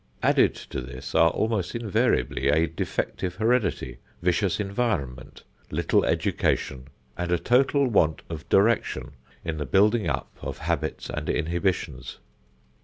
Added to this are almost invariably a defective heredity, vicious environment, little education, and a total want of direction in the building up of habits and inhibitions.